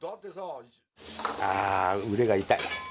あー、腕が痛い。